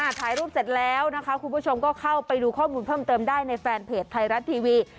ถ่ายรูปเสร็จแล้วนะคะคุณผู้ชมก็เข้าไปดูข้อมูลเพิ่มเติมได้ในแฟนเพจไทยรัฐทีวี